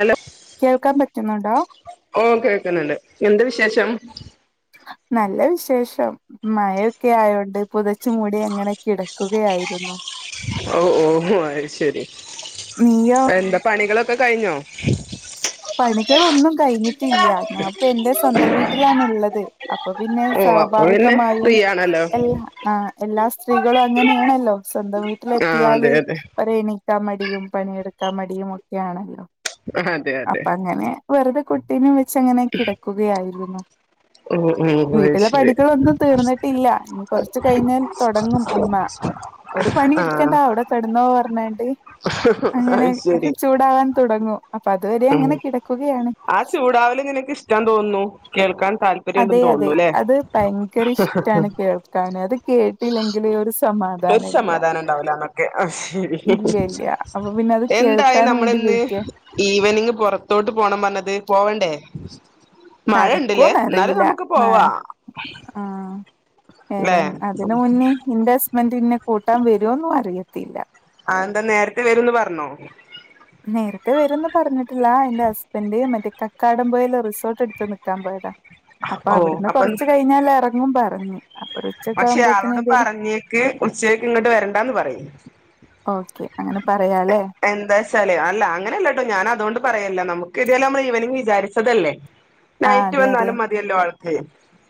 Hello കേൾക്കാൻ പറ്റുന്നുണ്ടോ ഓ കേക്കുന്നുണ്ട് എന്ത് വിശേഷം നല്ല വിശേഷം മഴൊക്കെ ആയോണ്ട് പുതച്ചു മൂടി അങ്ങനെ കിടക്കുകയായിരു ഹലോ ഓ ഓ ഒ അത് ശരി നീയോ? എന്താ പണികളൊക് ഒക്കെ കഴിഞ്ഞോ ക്കെ പണികളൊന്നും കഴിഞ്ഞി ട്ടില്യ ഞാപ്പ എന്റെ സ്വന്തം വീട്ടിലാണു ള്ളത് അപ്പൊ പിന്നെ ഓ അപ്പൊ പിന്നെ സ്വാഭാവികമായും ഫ്രീ ആണല്ലോ എല്ലാ ആ എല്ലാ സ്ത്രീകളും അങ്ങനെയാണല്ലോ സ്വന്തം വീട്ടിലെ ആ അതെ എത്തിയാല് അതെ പറയ്ണ് കമഡിയും പണിയെടുക്കാമടിയും ഒക്കെ ആണല്ലോ. അതെ അതെ അപ്പ അങ്ങനെ വെറുതെ കുട്ടീന വെച്ച് അങ്ങനെ കിടക്കുകയായിരുന്നു. ഓ ഓ അത് വീട്ടിലെ ശരി പടികളൊന്നും തീർന്നിട്ടില്ല ഇനി കൊറച്ചു കഴിഞ്ഞാൽ തുടങ്ങും ഉമ്മ ഒരു പണി ആ ഇടുകണ്ട അവിടെ കെടന്നോ പറഞ്ഞേ. ട്ടീ അങ്ങനെ ഹ് ചൂടാകൻ തുടങ്ങൂ ഉ ആ ചൂടാവലു നിനക്കിഷ്ടാതോന്നുന്നു. കേൾക്കാൻ താല് അതെ അതെ അത് ഭയങ്കര ഇഷ്ട്ടാണ് കേൾക്കാന്. അത് കേട്ടില്ലെങ്കിൽ. ഒരു സമാധാനം ഉണ്ടാവലന്നൊക്കെ. ഹ് ഹം ഇല്ല ഇല്ല അപ്പൊ പിന്നെ അത് എന്തായി കേൾക്കാൻ വേണ്ടി നമ്മളിന്ന് വെയിറ്റ് ചെയ്യാ. ഈവനിങ് പുറത്തോട്ട് പോണം പറഞ്ഞത് പോവണ്ടേ മഴ ഉണ്ടില്ലേ എന്നാലും നടക്കുവോന്നറിയില്ല നമുക്ക് ന്ന് പോവാ ആ ഏ ല്ലേ അതിനു മുന്നേ ഇന്റെ ഹസ്സ്ബൻ്റ ഇന്നെ കൂട്ടാൻ വരുവോന്നും അറിയത്തില്ല. അഎന്താ നേരത്തെ വരൂന്ന് പറഞ്ഞോ. നേരത്തെ വരന്ന് പറഞ്ഞിട്ടില്ല എന്റെ ഹസ്ബൻ്റ് മറ്റേ കക്കാടം പോയല്ലോ റിസോർട്ട് എടുത്ത് നിക്കാൻ പോയതാ അപ്പ ഓ അവ്ട്ന്ന് അപ്പം കൊർച്ച് കഴിഞ്ഞാൽ എറങ്ങുമ്പം എറങ്ങും. അപ്പൊ ഒരു ഉച്ചക്കെ പക്ഷെ ആകുമ്പോത്തിന് ആളോട് ഏതായാലും പറഞ്ഞേക്ക് ഉച്ചേക്ക് ഇങ്ങെട്ട് വെര്ണ്ടാന്ന് പറി ഓക്കെ അങ്ങനെ പറയാലെ ച്ചാലെ അല്ല അങ്ങനെ അല്ലട്ടോ ഞാൻ അതോണ്ട് പറയല്ല നമ്മ്ക്ക് ഏതയാലും നമ്മെൾ ഈവെനിംഗ് വിചാരിച്ചെത് അല്ലെ? ആഹ് നൈറ്റ് അതെ അതെ വന്നാലും മതിയല്ലോ ആൾക്ക്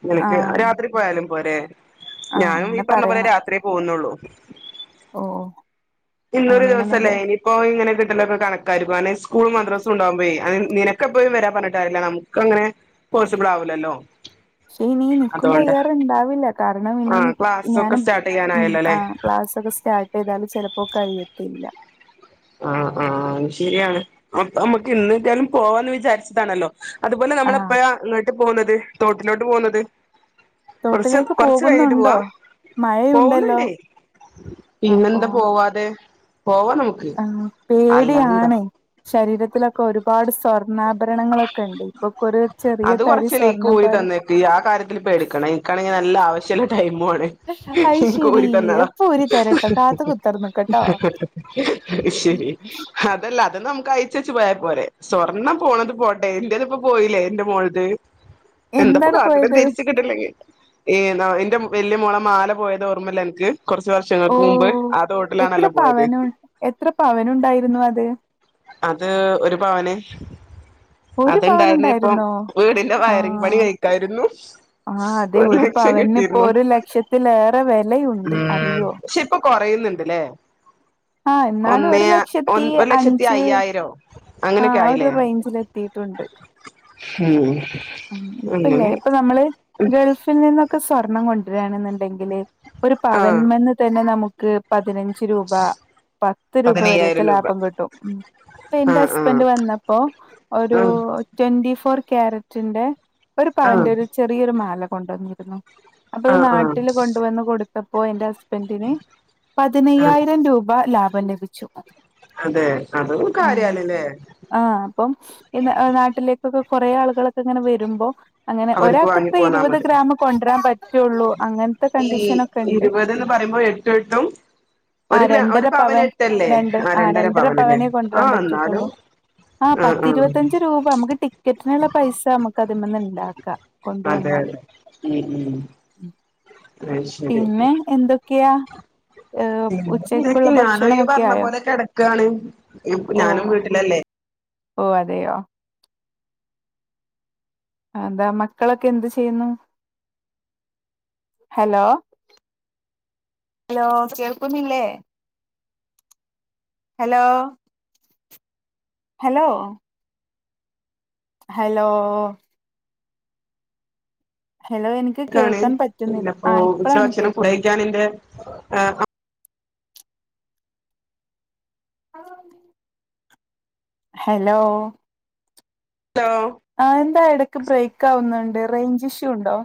നിനെക്ക് ആഹ് രാത്രി പോയാലും പോരെ? ആഹ് ഞാനും ഈ അങ്ങനെ പർണ പോലെ പറയണം രാത്രിയെ പോവുന്നൊള്ളു ഓ ഇജ്ജ് ഇന്നൊരു ദിവസം അല്ലെ അങ്ങനെയാണെന്നുണ്ടെ ഇനിയിപ്പോ ഇഞ്ഞ് ഇങ്ങെനെ കിട്ടലൊക്കെ കണക്കായിരിക്കും അയെന്നെ സ്കൂളും മദ്രാസും ഇണ്ടാവുമ്പെയ് നിനെക്ക് എപ്പോഴും വെരാ പർണിട്ട് കാര്യം ഇല്ല നമുക്ക് അങ്ങനെ പോസിബിൾ ആവുലല്ലോ പക്ഷെ ഇനി നിക്കും കയ്യാർ ഇണ്ടാവില്ല കാരണം ഇനിയിം ആഹ് ക്ലാസ്സൊക്കെ ഞാന് സ്റ്റാർട്ട് ഉം ചെയ്യാനായല്ലോ അല്ലേ ആ ക്ലാ സ് ഒക്കെ സ്റ്റാർട്ട് ചെയ്താൽ ചെലപ്പോ കഴിയത്തില്ല. ആഹ് ആഹ് അയ് ശരിയാണ് അപ്പ അമ്മെക്ക് എന്ന് കിട്ടിയാലും പോവാന്ന് വിചാര്ച്ച്ട്ട് ആണല്ലോ അതുപോലെ നമ്മെൾ ആഹ് എപ്പഴാ അങ്ങെട്ട് പോവ്ന്നെത് തോട്ടിലോട്ട് പോവുന്നെത്? കൊറച്ച് തോട്ടിലേക്ക് കൊറച്ച് കഴിഞ്ഞിട്ട് പോകുന്നുണ്ടോ പോവാ പോവുന്ന് മഴയുണ്ടല്ലോ ഇണ്ടെയ് അപ്പൊ പിന്നെന്താ പോവാതെ പോവാം നമുക്ക് ഉം അല്ലാന്താ പേടിയാണ് ശരീരത്തിലൊക്കെ ഒരുപാട് സ്വർണാഭരണങ്ങളൊക്കെ ഇണ്ട് ഇപ്പം അത് കൊറച്ച് എനിക്ക് ഊരി തന്നേക്ക് ഇയ്യ് ആ കാര്യത്തിൽ പേടിക്കെണ്ട ഇൻക്ക് ആണെങ്കി നല്ല ആവശ്യം ഇള്ള ടൈമ് മു ആണ് അത് ഇൻക്ക് ശെരി ഊരി തന്നാളാ അപ്പൊ ഊരി തരട്ടോ കാത്ത് കുത്തർന്ന്ക്കട്ടോ അയ് ശരി അത് അല്ല അത് നമുക്കായി ച്ചെച്ച് പോയാ പോരെ സ്വർണ്ണം പോണെത് പോട്ടെ എന്റെതിപ്പം പോയിലെ എന്റെ മോൾത് എന്താപ്പം എന്താണ് കാട്ട്ണെ പോയത് തിര്ച്ച് കിട്ട് ഇല്ലെങ്കി ഏതാ എന്റെ വെല്ല്യ മോളെ മാല പോയെത് ഓർമ്മ ഇല്ലെ അൻക്ക് കൊർച്ച് ഓ വർഷങ്ങെൾക്ക് മുമ്പ് ആ എത്ര തോട്ടിലാണല്ലോ പോയെത് പവനു എത്ര പവനുണ്ടായിരുന്നു അത് അത് ഒര് പവെന് ഒരു അത് ഇണ്ടായിര്ന്നെ ഇപ്പം പവനുണ്ടായിരുന്നോ വീടിന്റെ വയറിങ് പണി കഴിക്കായിരുന്നു ആഹ് അതെ ഒരു ലക്ഷം പവന് ഇപ്പോ കിട്ടിയിരുന്നു ഒരു ലക്ഷത്തിലേറെ വെലയുണ്ട് അറിയോ ഇന്ന്ണ്ട്ല്ലേ ആഹ് എന്നാലും ഒരു ലക്ഷത്തി ലക്ഷത്തി അഞ്ച് അയ്യായിരോ അങ്ങനെയൊക്കെ ആഹ് ഒരു ആയില്ലേ റേഞ്ചിലെത്തി ത്തട്ടുണ്ട് ഉം [inaudible] ഉം ഇപ്പല്ലേ അങ്ങനെ ഇപ്പ നമ്മള് ഗൾഫിൽ നിന്നൊ- ക്ക സ്വർണം കൊണ്ടുവരാണ്ന്ന്ണ്ടെങ്കിലെ ഒരു ആ പവന്മന്ന് തന്നെ നമുക്ക് പതിനഞ്ച് അഞ്ച് രൂപ പത്ത് രൂപ വരെയൊക്കെ പതിനയ്യായിരം രൂപ ലാഭം കിട്ടും ഇപ്പ എന്റെ ആഹ് ഹസ്ബന്ഡ് വന്നപ്പോ ഒരു ആഹ് ആഹ് ട്വന്റി ഫോർ ക്യാരറ്റിന്റെ ഒരു ആഹ് പവന്റെ ഒരു ചെറിയൊരു മാല കൊണ്ടുവന്നിരുന്നു അപ്പൊത് ആഹ് ആഹ് നാട്ടില് കൊണ്ടുവന്ന് കൊടുത്തപ്പോ എന്റെ ഹസ്ബൻഡിന് ആഹ് പതിനയ്യായിരം രൂപ ലാഭം ലഭിച്ചു അതെ അതും കാര്യാണ്ല്ലേ ഇപ്പം ഇന്ന് നാട്ടിലേക്കൊക്കെ കൊറേ ആളുകളൊക്കെ ഇങ്ങനെ വരുമ്പോ അങ്ങനെ അവർക്ക് വാങ്ങി ഒരാൾക്ക്പ്പ പോന്നാ ഇരുപത് മതി ഗ്രാമ് കൊണ്ട്രാൻ പറ്റൊള്ളൂ അങ്ങൻത്തെ കണ്ടീഷനൊക്കെ ഇണ്ട് [unintelligible] എട്ട് എട്ടും ഒരു ഗ്രാ ഒരു രണ്ടര പവന് പവൻ എട്ടല്ലേ രണ്ട് ആ രണ്ടര പവന്ല്ലേ പവനേ കൊണ്ടുവരാൻ ആഹ് എന്നാലും പറ്റത്തുള്ളൂ ആ ആഹ് ആഹ് പത്തിരുപത്തഞ്ച് രൂപ നമുക്ക് ടിക്കറ്റ്ന്ള്ള പൈസ നമുക്ക് അതിമന്ന്ണ്ട്- അതെ കൊണ്ടുവന്നാല് അതെ ഉം ഉം അത് ശരി പിന്നെ എന്തൊക്കെയാ ഏർ ഉച്ചക്കുള്ള ഭക്ഷണൊക്കെ ആയോ ഒക്കാണ് ഓ ഞാനും വീട്ടിലല്ലേ ഓ അതെയോ എന്താ മക്കളൊക്കെ എന്ത് ചെയ്യുന്നു ഹലോ ഹലോ കേൾക്കുന്നല്ലേ ഹലോ ഹലോ ഹലോ ഹലോ എനിക്ക് ക്കാണ്. കേൾക്കാൻ പിന്ന പറ്റുന്നില്ല ഇപ്പോ ആ ഇപ്പഴാണ് ഉച്ചഭക്ഷണം ഫുഡ് കേൾക്കുന്നെ കയിക്കാനിണ്ട്. ആ ഹലോ ഹലോ ആ എന്താ ഇടക്ക് ബ്രേക്ക് ആവുന്നുണ്ട് റേഞ്ച് ഇഷ്യൂ ഉണ്ടോ?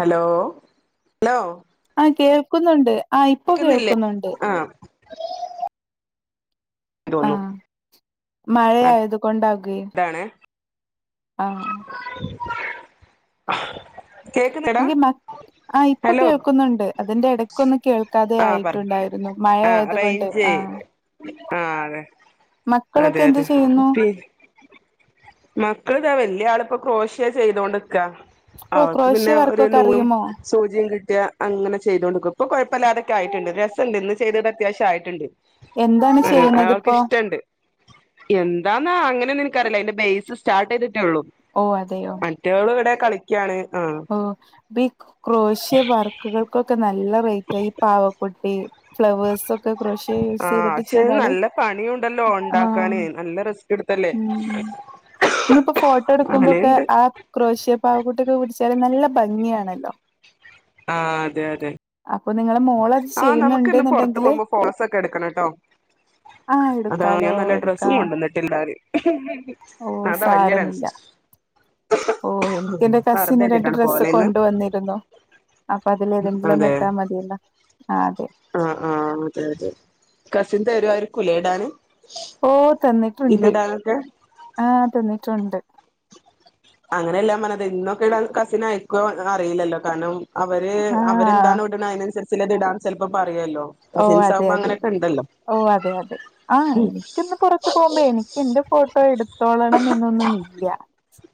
ഹലോ ഹലോ ആ കേൾക്കുന്നുണ്ട്. ആ ഇപ്പൊ കേക്കുന്നില്ലേ കേൾക്കുന്നുണ്ട്. ആ ആ തോന്നു മഴയായത് കൊണ്ടാകുവേ. അതാണ് ആ കേക്കുന്നെടാ ഓക്കെ മ ആ ഇപ്പൊ ഹലോ കേൾക്കുന്നുണ്ട്. അതിന്റെ ഇടക്കൊന്ന് കേൾക്കാതെ ആ പറ ആയിട്ടുണ്ടായിരുന്നു. ആ മഴയായതുകൊണ്ട് റേഞ്ച് ആ അതെ അതെ മക്കളൊക്കെ എന്ത് അതെ. ചെയ്യുന്നു മക്കളിതാ വലിയ ആള് ഇപ്പോ ക്രോഷ്യ ചെയ്തൊണ്ട് നിക്കാ ഓ അവൾക്ക് പിന്നെ ക്രോഷ്യ ഒരു വർക്കൊക്കെ നൂലും അറിയുമോ സൂചിയും കിട്ടി യാ അങ്ങനെ ചെയ്തോണ്ട് നിക്കും ഇപ്പൊ കൊഴപ്പമില്ലാതൊക്കെ ആയിട്ടുണ്ട്. രസായിട്ടുണ്ട്. ഇന്ന് ചെയ്തത് അത്യാവശ്യം ആയിട്ടുണ്ട്. എന്താണ് ആ ആ ചെയ്യുന്നത് അവൾക്ക് ഇപ്പോ ഇഷ്ടുണ്ട് എന്താന്ന് അങ്ങനെ എനിക്കൊന്നറിയില്ല. അതിൻ്റെ ബെയ്സ് സ്റ്റാർട്ട് ചെയ്ത് ട്ടേയുള്ളൂ. ഓ മറ്റവള് ഇവിടെ കളിക്കയാണ്. ഓ ഇപ്പ ഈ ക്രോശ്യ വർക്കുകൾക്കൊക്കെ നല്ല റേറ്റാ. ഈ പാവക്കുട്ടി ഫ്ലവേഴ്സൊക്കെ ക്രോഷ്യ യൂസ് ആ ചെയ്തിട്ട് പക്ഷെ ചെയ്താല് നല്ല പണിയുണ്ടല്ലോ ആഹ് ഉണ്ടാക്കാന് നല്ല റസ്പി എടുത്തല്ലേ നമ്മ ഇപ്പോ ഫോട്ടോ എടുക്കുമ്പോഴൊക്കെ അങ്ങനെയുണ്ട് ആ ക്രോഷ്യ പാവക്കൂട്ടിയൊക്കെ പിടിച്ചാല് നല്ല ഭംഗിയണല്ലോ. ആ അതെ അതെ. നിങ്ങളെ മോളത് ആ നമുക്ക് ഇന്ന് പുറത്ത് ചെയ്യുന്നുണ്ട്ന്നുണ്ടെങ്കില് പോകുമ്പോ പോസൊക്കെ എടുക്കണോട്ടോ ആഹ് അതാ എടുക്കാലോ ഞാൻ നല്ല ഡ്രസ്സും എടുക്കാം കൊണ്ടുവന്നിട്ടില്ല അതാ വലിയൊരു [unintelligible] ഓ എനിക്ക് എന്റെ കസിന് രണ്ട് ഡ്രസ്സ് പോവലിന്ന് കൊണ്ടുവന്നിരുന്നു. അപ്പൊ അതിലേതെങ്കിലും ഒന്ന് അതെ ഇട്ടാ മതിയല്ലോ ആ അതെ. ആഹ് ആഹ് അതെ അതെ കസിൻ തരുവായിരിക്കൂലേ ഇടാന്. ഓ തന്നിട്ടുണ്ട്. ഇന്നിടാനൊക്കെ ആ തന്നിട്ടുണ്ട്. അങ്ങനെയല്ലാ ഞാൻ പറഞ്ഞത് ഇന്നൊക്കെ ഇടാൻ കസിനയക്കോ അറിയില്ലല്ലോ കാരണം അവര് ആഹ് അവരെന്താണോ ഇടണേ അതിനനുസരിച്ചുള്ളത് ഇടാൻ ചിലപ്പോ പ ഓഹ് അതെ കസിൻസാവുമ്പേ അതെ അങ്ങനെയൊക്കെ ഉണ്ടല്ലോ. ഓ അതെ അതെ. ആ എനിക്കിന്ന് പൊറത്ത് പോകുമ്പേ എനിക്ക് എന്റെ ഫോട്ടോ എടുത്തോളണം എന്നൊന്നും ഇല്ല.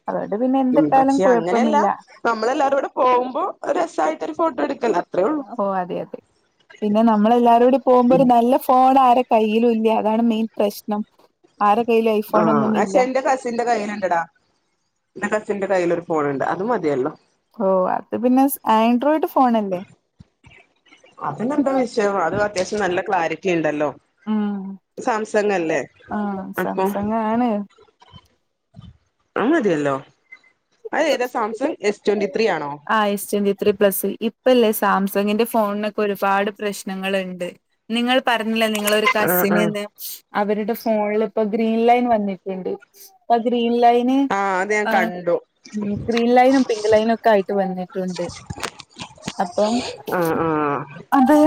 അതുകൊണ്ട് പിന്നെ ഉം എന്തിട്ടാലും പക്ഷെ അങ്ങനെയല്ല. കുഴപ്പമില്ല നമ്മളെ എല്ലാവാരും കൂടെ പോകുമ്പോ ഒരു രസമായിട്ടൊരു ഫോട്ടോ എടുക്കല അത്രേ ഉള്ളൂ ഓ അതെ അതെ. പിന്നെ നമ്മളെല്ലാരും കൂടിപോകുമ്പോ ഒരു നല്ല ഫോൺ ആരൊ കയ്യിലും ഇല്ല അതാണ് മെയിൻ പ്രശ്നം. ആരെ കയ്യിലും ആ ഐഫോണൊന്നും ഇല്ല പക്ഷെ എന്റെ കസിന്റെ കയ്യില് ഇണ്ടടാ. എൻ്റെ കസി ന്റെ കയ്യിലൊരു ഫോണുണ്ട് അത് മതിയല്ലോ. ഓഹ് അത് പിന്നെ ആൻഡ്രോയിഡ് ഫോണല്ലേ അതിനെന്താ വിഷയം അത് അത്യാവശ്യം നല്ല ക്ലാരിറ്റി ഇണ്ടല്ലോ ഉം സാംസങ് അല്ലേ ആഹ് അപ്പൊ സാംസങ് ആണ് അഅ് മതിയല്ലോ അത് ഏതാ സാംസങ് എസ് ട്വന്റി ത്രീ ആണോ ആ എസ് ട്വന്റി ത്രീ പ്ലസ് ഇപ്പല്ലേ സാംസങ്ങിന്റെ ഫോണിനൊക്കെ ഒരുപാട് പ്രശ്നങ്ങള്ണ്ട് നിങ്ങൾ പറ ഞ്ഞില്ലേ നിങ്ങളൊരു ആഹ് ആഹ് കസിനെന്ന് അവരുടെ ഫോണില് ഇപ്പ ഗ്രീൻ ലൈൻ വന്നിട്ടിണ്ട് അപ്പ ഗ്രീൻ- ഗ്രീൻലൈന് ആഹ് അത് ഞാൻ ആഹ് കണ്ടു ഇൻക്രി ലൈനും പിങ്ക് ലൈനൊക്കയിട്ട് വന്നിട്ടുണ്ട്. അപ്പം ആഹ് ആഹ് അത്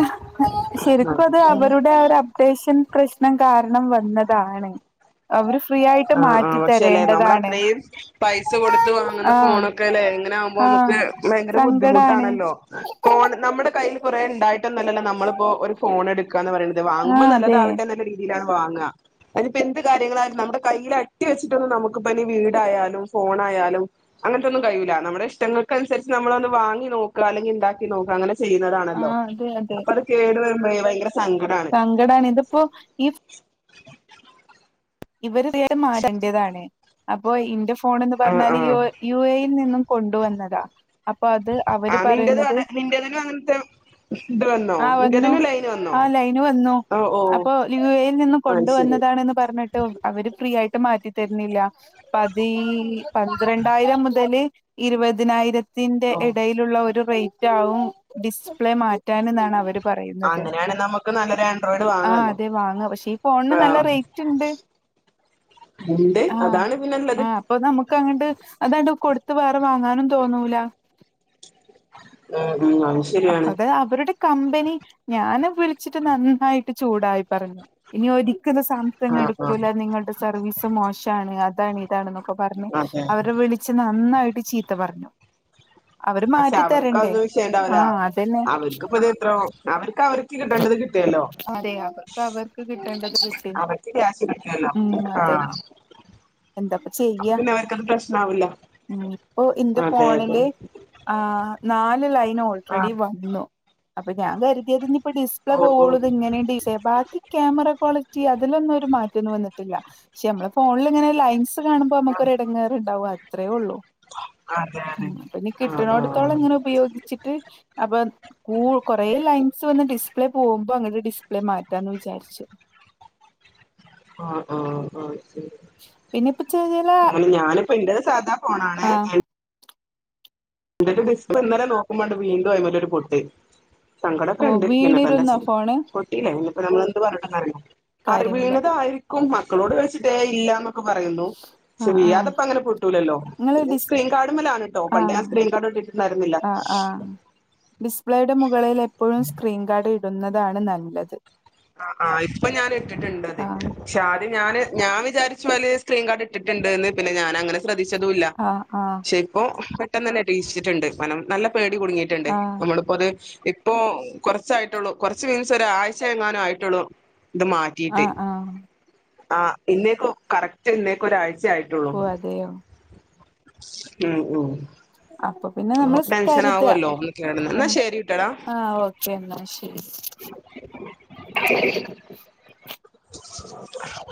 ശരിക്കും അത് അവരുടെ ഒരപ്ഡേഷൻ പ്രശ് നം കാരണം വന്നതാണ് അവര് ഫ്രീ ആയിട്ട് ആഹ് ആഹ് മാറ്റി പക്ഷെ ല്ലെ നമ്മള തരേണ്ടതാണ് ത്രയും പൈസ കൊട്ത്ത് വാങ്ങുന്ന ആഹ് ഫോണൊക്കെ ല്ലേ എങ്ങനാവുമ്പം ആഹ് നമുക്ക് ഭയങ്കര സങ്കടാണ് ബുദ്ധിമുട്ടാണല്ലോ ഫോൺ നമ്മടെ കയ്യില് കൊറേ ഇണ്ടായിട്ടൊന്ന്വല്ലല്ലോ നമ്മളിപ്പോ ഒര് ഫോണെടുക്കാന്ന് പറിണത് വാങ്ങുമ്പം ആഹ് അതെ നല്ലതാവട്ടെന്നുള്ള രീതിയിലാ വാങ്ങാ അയ്ന് പ്പെന്ത് കാര്യങ്ങളാലും നമ്മടെ കയ്യിൽ അട്ടി വെച്ചിട്ടൊന്നും നമുക്ക്പ്പയ്ന് വീടായാലും ഫോണായാലും അങ്ങൻത്തെന്നും കയൂല്ല നമ്മടെ ഇഷ്ടങ്ങൾ ക്കൻസര്ച്ച് നമ്മളൊന്ന് വാങ്ങി നോക്ക അല്ലെങ്കി ഇണ്ടാക്കി നോക്ക അങ്ങനെ ചെയ്യുന്നതാണല്ലോ ആഹ് അതെ അതെ അപ്പത് കേടു വരുമ്പഴേ ഭയങ്കര സങ്കടാണ് സങ്കടാണ് ഇത്പ്പോ ഈ ഇവരടേതായാലും മാരണ്ട്യതാണ് അപ്പോ ഇന്റെ ഫോണെന്നു ആഹ് പറഞ്ഞാല് ഈ ആഹ് യോ യു എയിൽ നിന്നും കൊണ്ട് വന്നതാ അപ്പോ അത് ആ അവര് നിന്റേത് പറയുന്നത് അതെ നിന്റേതിനും അങ്ങനത്തെ ഇത് വന്നോ ആഹ് വന്നു നിന്റേതിനും ലൈന് വന്നോ ആ ലൈന് വന്നു ഓ ഓ അപ്പൊ യു എയിൽ നിന്ന് അത് കൊണ്ടുവന്ന ശരി താണന്ന് പർഞ്ഞി ട്ടും അവര് ഫ്രീ യായിട്ട് മാറ്റി തര്ന്നില്ല അപ്പ തീ പന്ത്രണ്ടായിരം മുതല് ഇരുപതിനായിരത്തിന്റെ ഓ എടയിലുള്ള ഒരു റേ റ്റാവും ഡിസ്പ്ലേ മാറ്റാനെന്നാണ് അവര് പറയുന്നത് അങ്ങനെയാണെ നമുക്ക് നല്ലൊരു ആൻഡ്രോയിഡ് ആ വാങ്ങാല്ലോ അതെ വാങ്ങ പക്ഷേ ഈ ഫോണിന് ആ നല്ല റൈറ്റ്ണ്ട്. ഉണ്ട് ആഹ് അതാണ് പിന്നെള്ളത് ആഹ് അപ്പൊ ഞമ്മക്കങ്ങട്ട് അതാണ്ട് കൊട്ത്ത് വേറെ വാങ്ങാനും തോന്നൂല. ഉം ഉം അത് ശരിയാണ് അപ്പത് അവരുടെ കമ്പനി ഞാനെ വിളിച്ചിട്ട് നന്നായിട്ട് ചൂടായി പറഞ്ഞു ഇനി ഒരി കിതെ സാംസങ് ആ ആ എടുക്കൂല നിങ്ങളുടെ സർവീസ് മോശാണ് അതാണ് ഇതാണന്നൊക്കെ- അപ്പൊ പറഞ്ഞെ അതെ അവരെ വിളിച്ച് നന്നായിട്ട് ചീത്ത പറഞ്ഞു അവരെ മാറ്റിത്തരണ്ടേ അല്ല അവർക്കിപ്പതെത്രോ അവരെ ക്കെ അവർക്ക് കിട്ടേണ്ടത് കിട്ടിയല്ലോ അതെ അവർക്ക് അവർക്ക് കിട്ടേണ്ടത് കിട്ടി അവർക്ക് ക്യാഷ് കിട്ടിയല്ലോ ആഹ്‌ എന്താപ്പചെയ്യ്യ പ്രശ്നാവില്ല ഉം ഇപ്പൊ എന്റെ അതെ അതെ ഫോണിലെ ആ നാലെ ലൈൻ ആ ഓൾറെഡി വന്നു അപ്പൊ ഞാൻ കരുതിയതിനി ഇപ്പോ ഡിസ്പ്ലേ ഓ ഓ പോകുള്ളതെ ഇങ്ങനെയ ഡി ബാക്കിക്യാമെറ ക്വാളി അതിലൊന്നും ഒരു മാറ്റൊന്നും വന്നിട്ടില്ല പക്ഷെ നമ്മെ ഫോണിലി ങ്ങനെ ലൈൻസ് അത് കാണുമ്പോ ആ, നമുക്കൊടെങ്ങേറുണ്ടാവും അത്രേ ഉള്ളൂ അതെ അതെ ഉം അപ്പൊ നീ ആ ആ കിട്ടണടത്തോളം ഇങ്ങനെ ഉപയോഗിച്ചിട്ട് അപ്പൊ കൂ കൊറേ ലൈൻസ് ന്ന് ഡിസ്പ്ലേ പോകുമ്പോ അങ്ങനെ ഡിസ്പ്ലേ മാറ്റാന്ന് വിചാരിച്ചു ആഹ്‌ ആഹ്‌ ആഹ്‌ പിന്നെ ഇപ്പ ചെല അ ഞാനിപ്പോ ഇന്റേതെ സാധാ പോണാണേ ആഹ് എന്നിട്ട് ഡിസ്പ്ലേ ഇന്നലെ നോക്കുമ്പണ്ട് വീണ്ടും അയിൻമേലൊരു പൊട്ട് സങ്കടൊക്കെ ഓ ഉണ്ട് പിന്നെന്താപ്പാ വീണിരുന്നോ ചെയ് ഫോണ് പൊട്ടില അപ്പ നമ്മൾ എന്ത് പറഞ്ഞിട്ടന്നറിയാം അറി കാര്യമില്ല വീണതായിരിക്കും മക്കളോട് ചോദി ച്ചിട്ടേ ഏയ്‌ ഇല്ല ക്കു പറയുന്നു ആഹ് ആഹ് വീയാതങ്ങനെ പൊട്ടൂലല്ലോ പിന്നെ സ്ക്രീൻ കാർഡിൻമേലാണേട്ടോ പണ്ടെ ആ ആ ഡിസ്പ്ലേയുടെ മുകളിൽ എപ്പോഴും സ്ക്രീൻ കാർഡ് ഇട്ട് ക്കുന്നതാണ് നല്ലത് ആ ആ ഇപ്പ ഞാൻ ഇട്ടിട്ടുണ്ടത് ആഹ് ക്ഷാ അതു ഞാന് ഞാൻ വിചാച്ചു അതിലെ സ്ക്രീൻ കാർഡ് ഇട്ടിട്ടുണ്ടേന്നെ പിന്നെ ഞാനങ്ങനെ ശ്രെ ശ്രദ്ധിച്ചതല്ല ആഹ് ആഹ് പക്ഷെ ഇപ്പോ പെട്ടെന്ന് തന്നെ മേടിച്ചിട്ടുണ്ട് കാരണം നല്ല ഇപ്പോ ഇടി കുടുങ്ങയിട്ടുണ്ട് ആഹ് നമ്മളിപ്പോ അത് ഇപ്പോ കുറച്ചായിട്ട കുറച്ച് മീൻസ് ഒഴ്ച ആയിട്ടുള്ള ഇത് മാറ്റിയിട്ട് ആഹ് ആഹ് ആ ഇന്നേക്ക കറക്റ്റ് ഇന്നേക്ക ഒരാഴ്ച ആയിട്ടുള്ളൂ ഓഹ് അതെയോ ഓ ഓ അപ്പൊ പിന്നെ നമ്മള് കരുത ഒന്ന് കേടന്ന് ആ എന്നാ ശരി ട്ടടാ ആഹ ഓക്കെ എന്നാ ശരി [unintelligible]